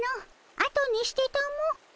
あとにしてたも。